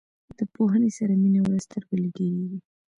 د پوهنې سره مینه ورځ تر بلې ډیریږي.